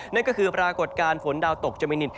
นั่นก็คือปรากฏการณ์ฝนดาวตกเจมินิต